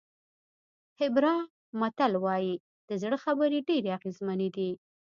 هېبرا متل وایي د زړه خبرې ډېرې اغېزمنې دي.